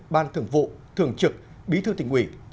ban thường vụ thường trực bí thư tình ủy